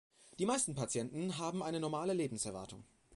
Die meisten Patienten haben eine normale Lebenserwartung.